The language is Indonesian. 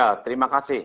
ya terima kasih